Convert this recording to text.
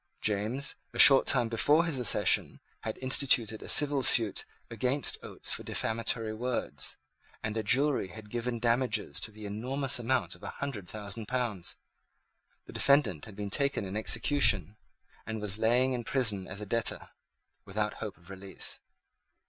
James, a short time before his accession, had instituted a civil suit against Oates for defamatory words; and a jury had given damages to the enormous amount of a hundred thousand pounds. The defendant had been taken in execution, and was lying in prison as a debtor, without hope of release.